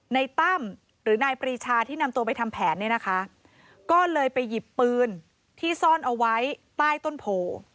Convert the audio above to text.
ตั้มหรือนายปรีชาที่นำตัวไปทำแผนเนี่ยนะคะก็เลยไปหยิบปืนที่ซ่อนเอาไว้ใต้ต้นโพ